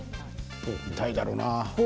痛いだろうな。